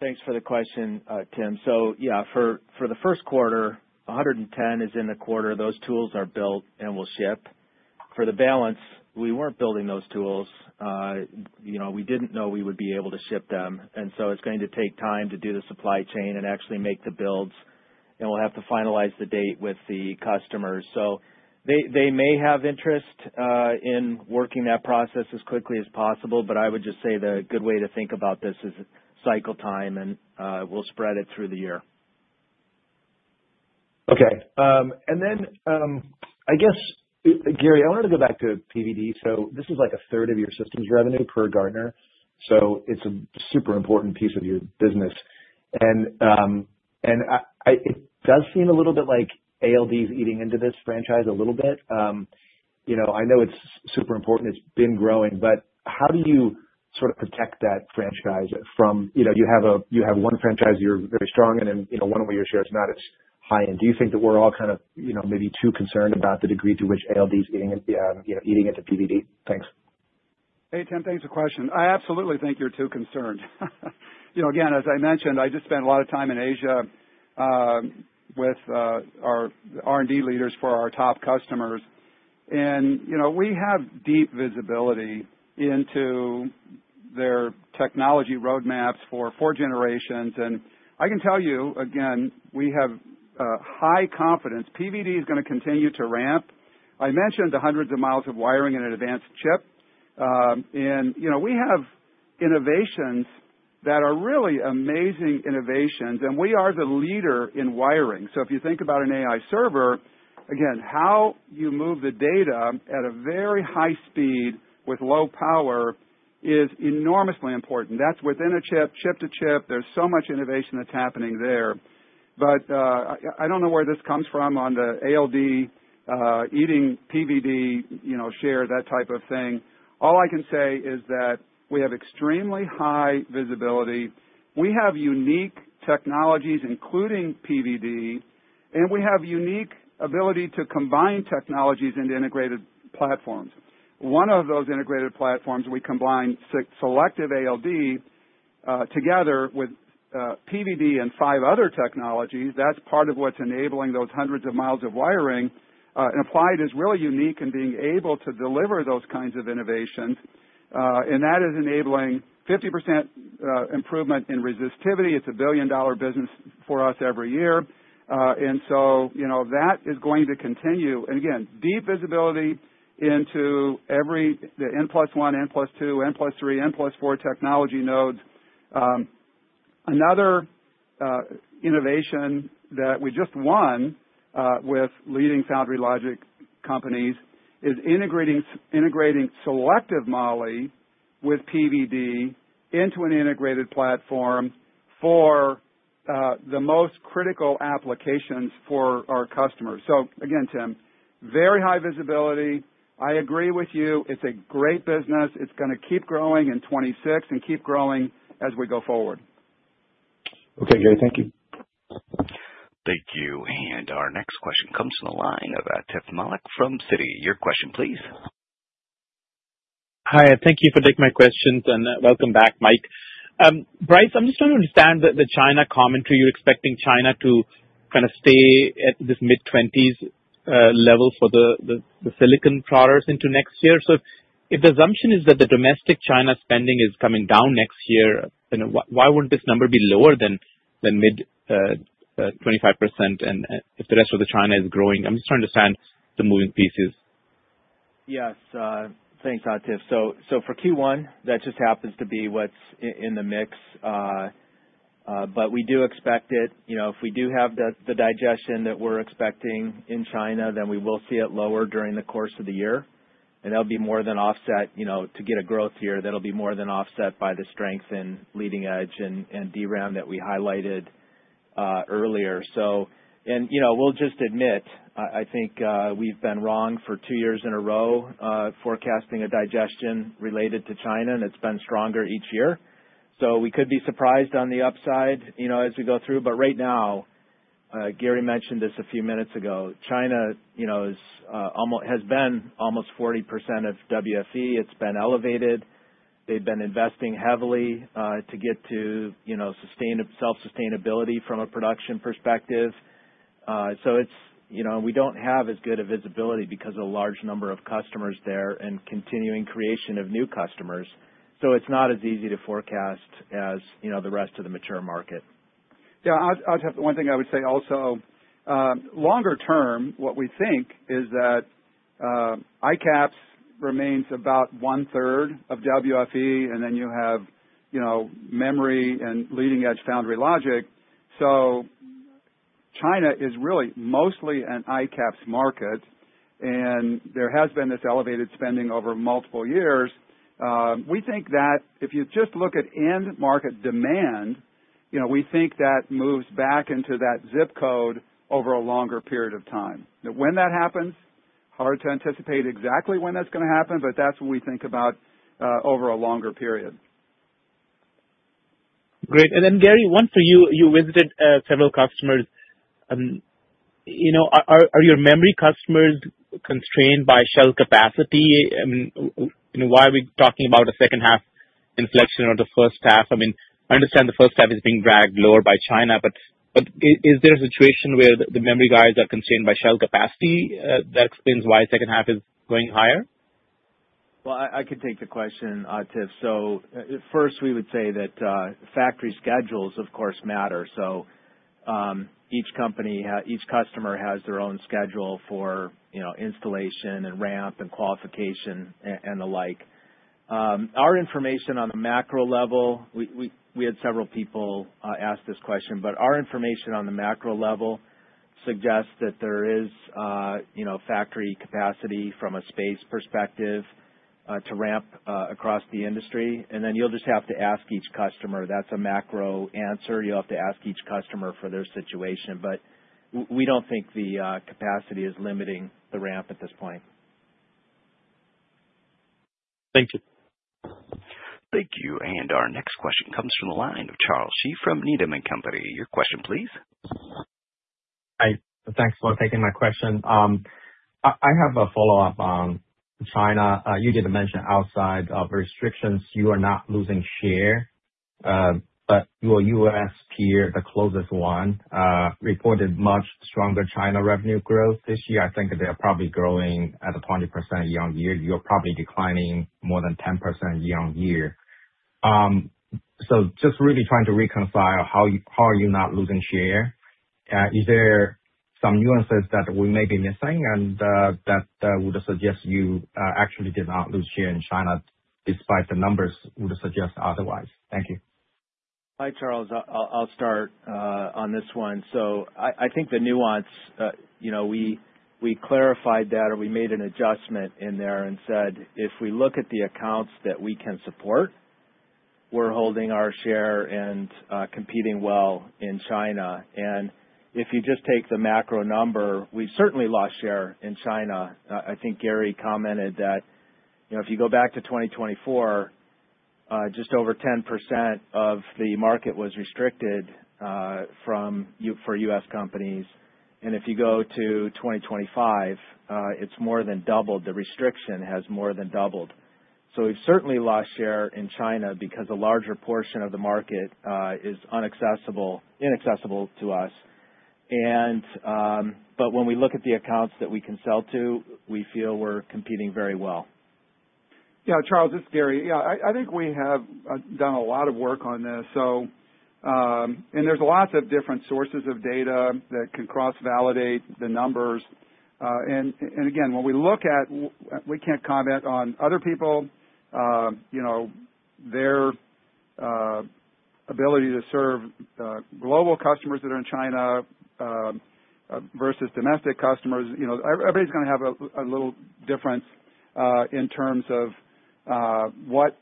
[SPEAKER 4] Thanks for the question, Tim. Yeah, for the first quarter, 110 tools is in the quarter. Those tools are built and will ship. For the balance, we were not building those tools. We did not know we would be able to ship them. It is going to take time to do the supply chain and actually make the builds. We will have to finalize the date with the customers. They may have interest in working that process as quickly as possible, but I would just say the good way to think about this is cycle time, and we will spread it through the year.
[SPEAKER 9] Okay. I guess, Gary, I wanted to go back to PVD. This is like a third of your systems revenue per Gartner. It is a super important piece of your business. It does seem a little bit like ALD is eating into this franchise a little bit. I know it's super important. It's been growing. How do you sort of protect that franchise from you have one franchise you're very strong in, and one where your share is not as high? Do you think that we're all kind of maybe too concerned about the degree to which ALD is eating into PVD?
[SPEAKER 3] Thanks. Hey, Tim, thanks for the question. I absolutely think you're too concerned. Again, as I mentioned, I just spent a lot of time in Asia with our R&D leaders for our top customers. We have deep visibility into their technology roadmaps for four generations. I can tell you, again, we have high confidence. PVD is going to continue to ramp. I mentioned the hundreds of miles of wiring in an advanced chip. We have innovations that are really amazing innovations. We are the leader in wiring. If you think about an AI server, again, how you move the data at a very high speed with low power is enormously important. That is within a chip, chip to chip. There is so much innovation that is happening there. I do not know where this comes from on the ALD eating PVD share, that type of thing. All I can say is that we have extremely high visibility. We have unique technologies, including PVD, and we have unique ability to combine technologies into integrated platforms. One of those integrated platforms, we combine selective ALD together with PVD and five other technologies. That is part of what is enabling those hundreds of miles of wiring. Applied is really unique in being able to deliver those kinds of innovations. That is enabling 50% improvement in resistivity. It is a billion-dollar business for us every year. That is going to continue. Again, deep visibility into the N+1, N+2, N+3, N+4 technology nodes. Another innovation that we just won with leading foundry logic companies is integrating selective Moly with PVD into an integrated platform for the most critical applications for our customers. Again, Tim, very high visibility. I agree with you. It's a great business. It's going to keep growing in 2026 and keep growing as we go forward.
[SPEAKER 9] Okay, Gary. Thank you.
[SPEAKER 1] Thank you. Our next question comes from the line of Aatif Malik from Citi. Your question, please.
[SPEAKER 10] Hi. Thank you for taking my questions. Welcome back, Mike. Brice, I'm just trying to understand the China commentary. You're expecting China to kind of stay at this mid 20%s level for the silicon products into next year. If the assumption is that the domestic China spending is coming down next year, why would this number not be lower than mid 25% if the rest of China is growing? I'm just trying to understand the moving pieces.
[SPEAKER 4] Yes. Thanks, Aatif. For Q1, that just happens to be what's in the mix. We do expect it. If we do have the digestion that we're expecting in China, then we will see it lower during the course of the year. That will be more than offset to get a growth here. That will be more than offset by the strength in leading edge and DRAM that we highlighted earlier. I'll just admit, I think we've been wrong for two years in a row forecasting a digestion related to China, and it's been stronger each year. We could be surprised on the upside as we go through. Right now, Gary mentioned this a few minutes ago. China has been almost 40% of WFE. It's been elevated. They've been investing heavily to get to self-sustainability from a production perspective. We don't have as good a visibility because of a large number of customers there and continuing creation of new customers. It's not as easy to forecast as the rest of the mature market.
[SPEAKER 3] Yeah. I'll just add one thing I would say also. Longer term, what we think is that ICAPS remains about one-third of WFE, and then you have memory and leading-edge foundry logic. China is really mostly an ICAPS market, and there has been this elevated spending over multiple years. We think that if you just look at end market demand, we think that moves back into that zip code over a longer period of time. When that happens, hard to anticipate exactly when that's going to happen, but that's what we think about over a longer period.
[SPEAKER 10] Great. Gary, one for you. You visited several customers. Are your memory customers constrained by shell capacity? I mean, why are we talking about a second-half inflection or the first half? I mean, I understand the first half is being dragged lower by China, but is there a situation where the memory guys are constrained by shell capacity? That explains why second half is going higher?
[SPEAKER 4] I can take the question, Aatif. First, we would say that factory schedules, of course, matter. Each customer has their own schedule for installation and ramp and qualification and the like. Our information on the macro level, we had several people ask this question, but our information on the macro level suggests that there is factory capacity from a space perspective to ramp across the industry. You will just have to ask each customer. That is a macro answer. You will have to ask each customer for their situation. We do not think the capacity is limiting the ramp at this point.
[SPEAKER 10] Thank you.
[SPEAKER 1] Thank you. Our next question comes from the line of Charles Shi from Needham & Company. Your question, please.
[SPEAKER 11] Hi. Thanks for taking my question. I have a follow-up on China. You did mention outside of restrictions, you are not losing share, but your U.S. peer, the closest one, reported much stronger China revenue growth this year. I think they are probably growing at a 20% year-on-year. You are probably declining more than 10% year-on-year. Just really trying to reconcile, how are you not losing share? Is there some nuances that we may be missing and that would suggest you actually did not lose share in China despite the numbers would suggest otherwise? Thank you.
[SPEAKER 4] Hi, Charles. I'll start on this one. I think the nuance, we clarified that, or we made an adjustment in there and said, if we look at the accounts that we can support, we're holding our share and competing well in China. If you just take the macro number, we've certainly lost share in China. I think Gary commented that if you go back to 2024, just over 10% of the market was restricted for U.S. companies. If you go to 2025, it's more than doubled. The restriction has more than doubled. We have certainly lost share in China because a larger portion of the market is inaccessible to us. When we look at the accounts that we can sell to, we feel we are competing very well.
[SPEAKER 3] Yeah, Charles, this is Gary. I think we have done a lot of work on this. There are lots of different sources of data that can cross-validate the numbers. Again, when we look at it, we cannot comment on other people, their ability to serve global customers that are in China versus domestic customers. Everybody is going to have a little difference in terms of what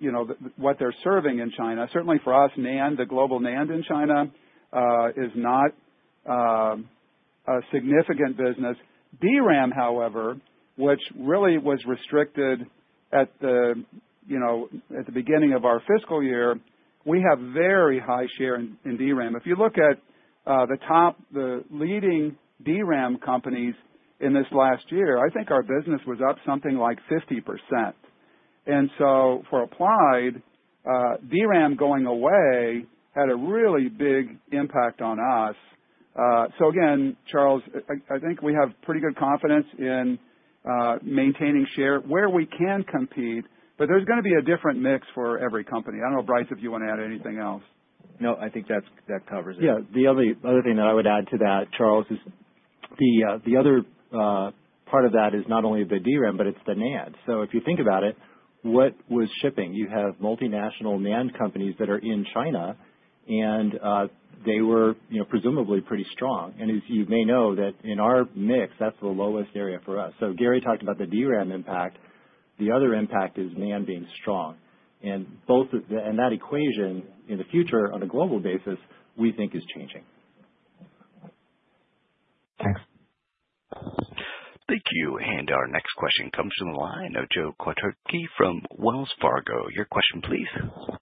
[SPEAKER 3] they are serving in China. Certainly for us, NAND, the global NAND in China, is not a significant business. DRAM, however, which really was restricted at the beginning of our fiscal year, we have very high share in DRAM. If you look at the top leading DRAM companies in this last year, I think our business was up something like 50%. For Applied, DRAM going away had a really big impact on us. Again, Charles, I think we have pretty good confidence in maintaining share where we can compete, but there is going to be a different mix for every company. I do not know, Brice, if you want to add anything else.
[SPEAKER 4] No, I think that covers it.
[SPEAKER 2] Yeah. The other thing that I would add to that, Charles, is the other part of that is not only the DRAM, but it is the NAND. If you think about it, what was shipping? You have multinational NAND companies that are in China, and they were presumably pretty strong. As you may know, in our mix, that is the lowest area for us. Gary talked about the DRAM impact. The other impact is NAND being strong. That equation in the future on a global basis, we think, is changing.
[SPEAKER 1] Thank you. Our next question comes from the line of Joe Quatrochi from Wells Fargo. Your question, please.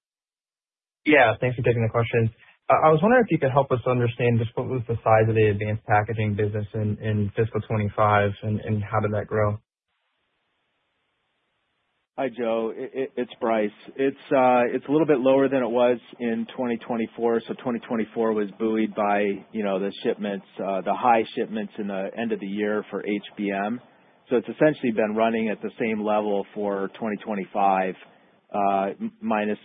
[SPEAKER 12] Yeah. Thanks for taking the question. I was wondering if you could help us understand just what was the size of the advanced packaging business in fiscal 2025, and how did that grow?
[SPEAKER 4] Hi, Joe. It's Brice. It's a little bit lower than it was in 2024. 2024 was buoyed by the high shipments in the end of the year for HBM. It's essentially been running at the same level for 2025, minus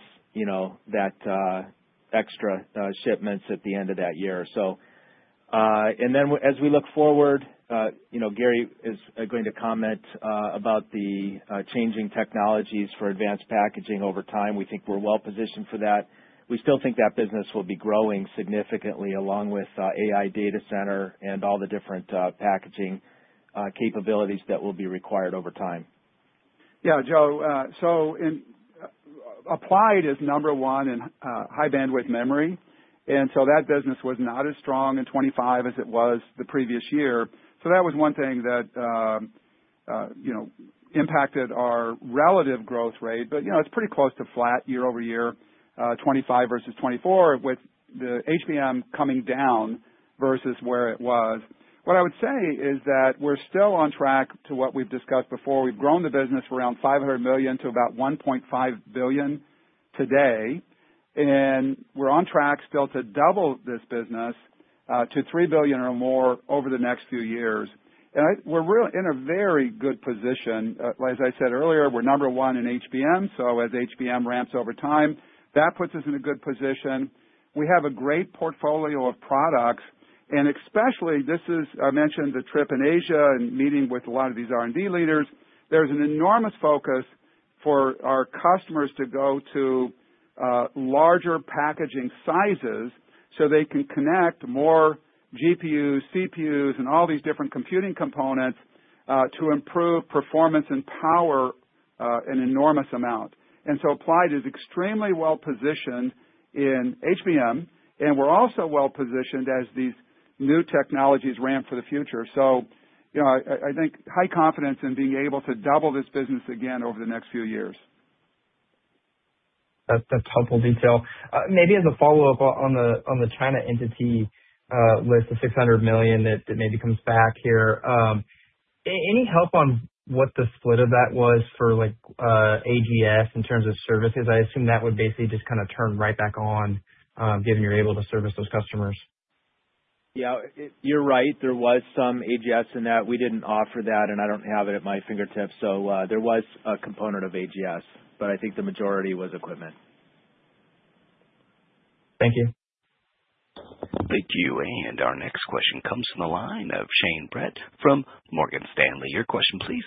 [SPEAKER 4] that extra shipments at the end of that year. As we look forward, Gary is going to comment about the changing technologies for advanced packaging over time. We think we are well-positioned for that. We still think that business will be growing significantly along with AI data center and all the different packaging capabilities that will be required over time.
[SPEAKER 3] Yeah, Joe. Applied is number one in high-bandwidth memory. That business was not as strong in 2025 as it was the previous year. That was one thing that impacted our relative growth rate. It is pretty close to flat year-over-year, 2025 versus 2024, with the HBM coming down versus where it was. What I would say is that we are still on track to what we have discussed before. We have grown the business from around $500 million to about $1.5 billion today. We are on track still to double this business to $3 billion or more over the next few years. We are in a very good position. As I said earlier, we are number one in HBM. As HBM ramps over time, that puts us in a good position. We have a great portfolio of products. Especially, I mentioned the trip in Asia and meeting with a lot of these R&D leaders. There is an enormous focus for our customers to go to larger packaging sizes so they can connect more GPUs, CPUs, and all these different computing components to improve performance and power an enormous amount. Applied is extremely well-positioned in HBM, and we are also well-positioned as these new technologies ramp for the future. I think high confidence in being able to double this business again over the next few years.
[SPEAKER 12] That is helpful detail. Maybe as a follow-up on the China entity with the $600 million that maybe comes back here, any help on what the split of that was for AGS in terms of services? I assume that would basically just kind of turn right back on, given you're able to service those customers.
[SPEAKER 4] Yeah. You're right. There was some AGS in that. We didn't offer that, and I don't have it at my fingertips. So there was a component of AGS, but I think the majority was equipment.
[SPEAKER 12] Thank you.
[SPEAKER 1] Thank you. Our next question comes from the line of Shane Brett from Morgan Stanley. Your question, please.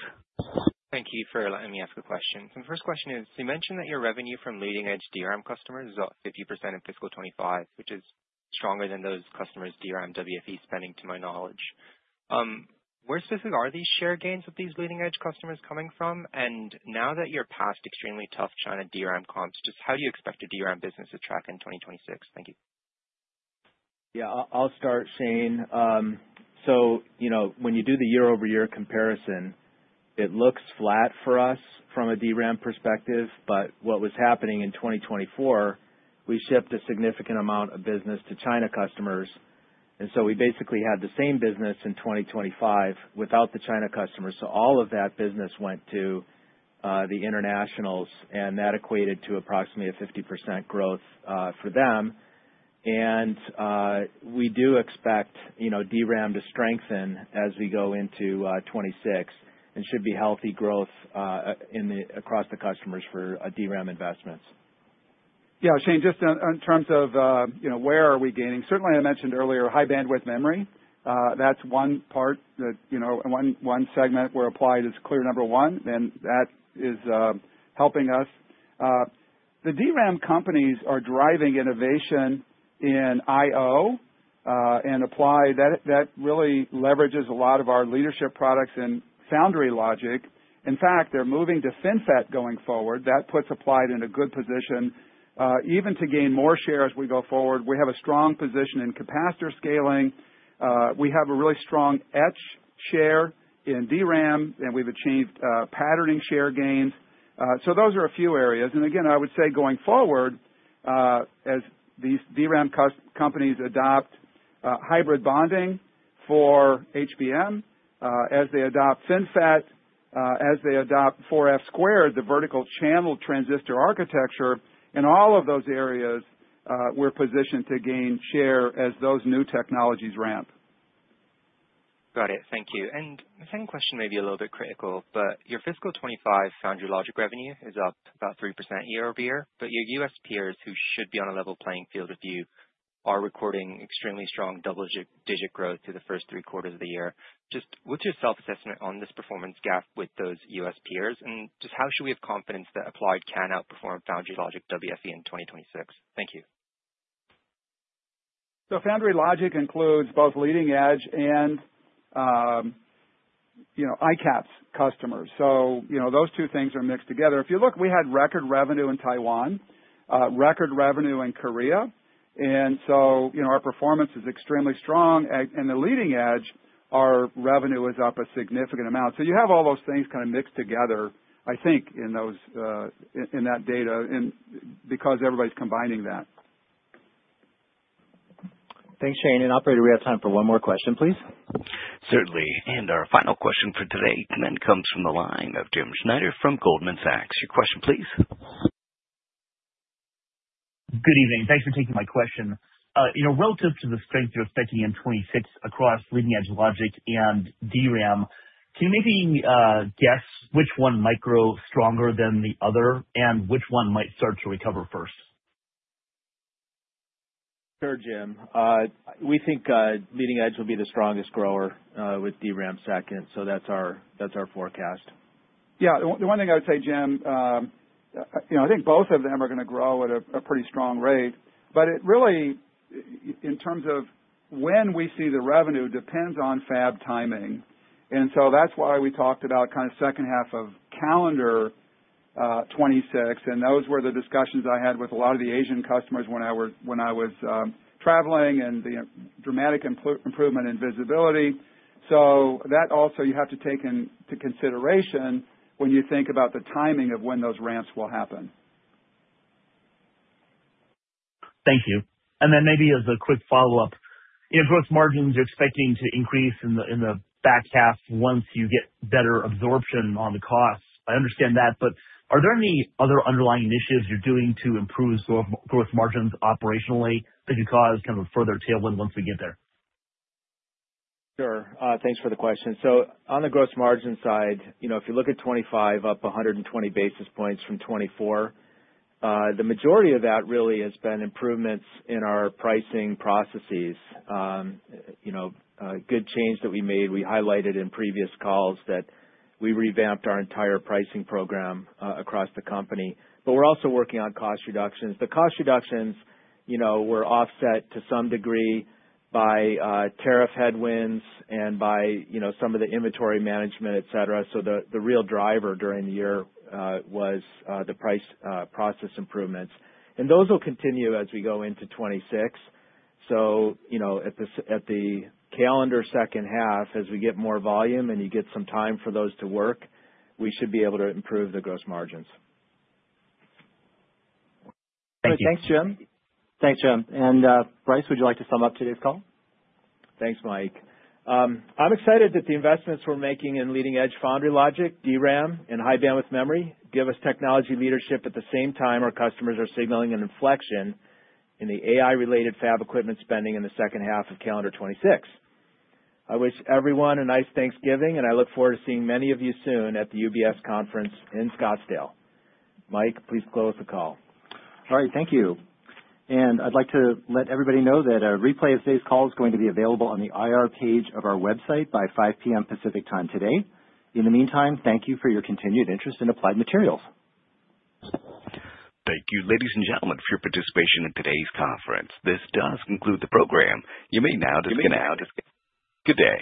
[SPEAKER 13] Thank you for letting me ask a question. My first question is, you mentioned that your revenue from leading-edge DRAM customers is up 50% in fiscal 2025, which is stronger than those customers' DRAM WFE spending, to my knowledge. Where specifically are these share gains of these leading-edge customers coming from? Now that you're past extremely tough China DRAM comps, just how do you expect your DRAM business to track in 2026? Thank you.
[SPEAKER 4] Yeah. I'll start, Shane. When you do the year-over-year comparison, it looks flat for us from a DRAM perspective. What was happening in 2024, we shipped a significant amount of business to China customers. We basically had the same business in 2025 without the China customers. All of that business went to the internationals, and that equated to approximately a 50% growth for them. We do expect DRAM to strengthen as we go into 2026 and should be healthy growth across the customers for DRAM investments.
[SPEAKER 3] Yeah. Shane, just in terms of where are we gaining? Certainly, I mentioned earlier high-bandwidth memory. That's one part, one segment where Applied is clear number one, and that is helping us. The DRAM companies are driving innovation in IO and Applied. That really leverages a lot of our leadership products and foundry logic. In fact, they're moving to FinFET going forward. That puts Applied in a good position even to gain more share as we go forward. We have a strong position in capacitor scaling. We have a really strong etch share in DRAM, and we've achieved patterning share gains. Those are a few areas. Again, I would say going forward, as these DRAM companies adopt hybrid bonding for HBM, as they adopt FinFET, as they adopt 4F-squared, the vertical channel transistor architecture, in all of those areas, we're positioned to gain share as those new technologies ramp.
[SPEAKER 13] Got it. Thank you. The second question may be a little bit critical, but your fiscal 2025 foundry logic revenue is up about 3% year-over-year. Your U.S. peers who should be on a level playing field with you are recording extremely strong double-digit growth through the first three quarters of the year. Just what's your self-assessment on this performance gap with those U.S. peers? How should we have confidence that Applied can outperform foundry logic WFE in 2026? Thank you.
[SPEAKER 3] Foundry logic includes both leading-edge and ICAPS customers. Those two things are mixed together. If you look, we had record revenue in Taiwan, record revenue in Korea. Our performance is extremely strong. In the leading-edge, our revenue is up a significant amount. You have all those things kind of mixed together, I think, in that data because everybody's combining that.
[SPEAKER 2] Thanks, Shane. Operator, we have time for one more question, please.
[SPEAKER 1] Certainly. Our final question for today then comes from the line of Jim Schneider from Goldman Sachs. Your question, please.
[SPEAKER 14] Good evening. Thanks for taking my question. Relative to the strength you're expecting in 2026 across leading-edge logic and DRAM, can you maybe guess which one might grow stronger than the other and which one might start to recover first?
[SPEAKER 4] Sure, Jim. We think leading-edge will be the strongest grower with DRAM second. That is our forecast.
[SPEAKER 3] Yeah. The one thing I would say, Jim, I think both of them are going to grow at a pretty strong rate. Really, in terms of when we see the revenue, it depends on fab timing. That is why we talked about kind of second half of calendar 2026. Those were the discussions I had with a lot of the Asian customers when I was traveling and the dramatic improvement in visibility. You have to take that into consideration when you think about the timing of when those ramps will happen.
[SPEAKER 14] Thank you. Maybe as a quick follow-up, growth margins are expecting to increase in the back half once you get better absorption on the costs. I understand that. Are there any other underlying initiatives you are doing to improve growth margins operationally that could cause kind of a further tailwind once we get there?
[SPEAKER 4] Sure. Thanks for the question. On the growth margin side, if you look at 2025, up 120 basis points from 2024, the majority of that really has been improvements in our pricing processes. Good change that we made. We highlighted in previous calls that we revamped our entire pricing program across the company. We are also working on cost reductions. The cost reductions were offset to some degree by tariff headwinds and by some of the inventory management, etc. The real driver during the year was the price process improvements. Those will continue as we go into 2026. At the calendar second half, as we get more volume and you get some time for those to work, we should be able to improve the gross margins.
[SPEAKER 2] Thanks, Jim. Thanks, Jim. Brice, would you like to sum up today's call?
[SPEAKER 4] Thanks, Mike. I'm excited that the investments we're making in leading-edge foundry logic, DRAM, and high-bandwidth memory give us technology leadership at the same time our customers are signaling an inflection in the AI-related fab equipment spending in the second half of calendar 2026. I wish everyone a nice Thanksgiving, and I look forward to seeing many of you soon at the UBS conference in Scottsdale. Mike, please close the call.
[SPEAKER 2] All right. Thank you. I would like to let everybody know that a replay of today's call is going to be available on the IR page of our website by 5:00 P.M. Pacific Time today. In the meantime, thank you for your continued interest in Applied Materials.
[SPEAKER 1] Thank you, ladies and gentlemen, for your participation in today's conference. This does conclude the program. You may now disconnect. Good day.